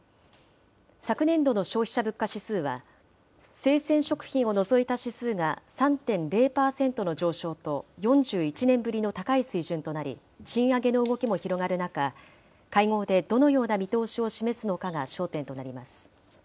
昨年度の消費者物価指数は、生鮮食品を除いた指数が３．０％の上昇と、４１年ぶりの高い水準となり、賃上げの動きも広がる中、会合でどのような見通しを示すのかが焦点となります。